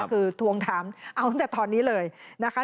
คือทวงถามเอาตั้งแต่ตอนนี้เลยนะคะ